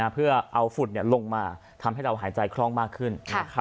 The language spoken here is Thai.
เพื่อเอาฝุ่นลงมาทำให้เราหายใจคล่องมากขึ้น